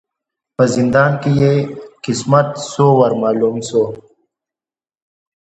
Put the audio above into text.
په زندان کی یې قسمت سو ور معلوم سو